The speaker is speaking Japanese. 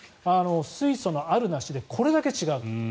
水素のあるなしでこれだけ違うと。